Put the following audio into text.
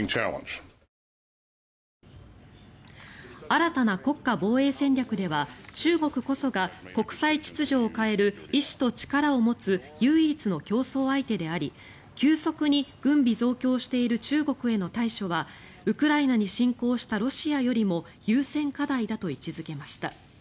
新たな国家防衛戦略では中国こそが国際秩序を変える意思と力を持つ唯一の競争相手であり急速に軍備増強している中国への対処はウクライナに侵攻したロシアよりも優先課題だと位置付けました。